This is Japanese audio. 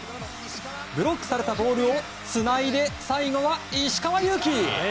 ブロックされたボールをつないで最後は石川祐希！